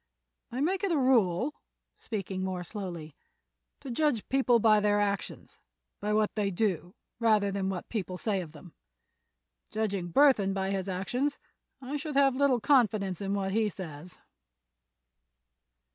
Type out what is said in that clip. I make it a rule," speaking more slowly, "to judge people by their actions; by what they do, rather than by what people say of them. Judging Burthon by his actions I should have little confidence in what he says."